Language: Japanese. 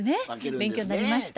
勉強になりました。